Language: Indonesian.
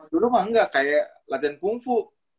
dulu mah enggak kayak latihan kung fu